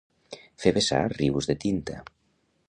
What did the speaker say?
Fer vessar rius de tinta.